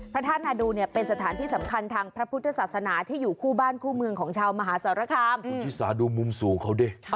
พระธาตุนาดูลเนี่ยเป็นสถานที่สำคัญทางพระพุทธศาสนาที่อยู่คู่บ้านคู่เมืองของชาวมหาศาลคาม